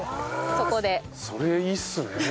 それいいっすね。